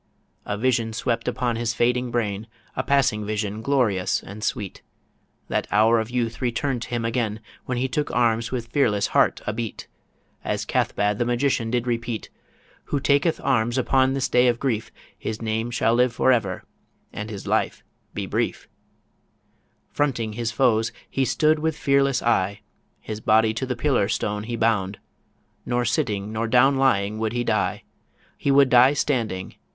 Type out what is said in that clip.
A vision swept upon his fading brain A passing vision glorious and sweet, That hour of youth return'd to him again When he took arms with fearless heart a beat, As Cathbad, the magician, did repeat, "Who taketh arms upon this day of grief, His name shall live forever and his life be brief" Fronting his foes, he stood with fearless eye, His body to the pillar stone he bound, Nor sitting nor down lying would he die ... He would die standing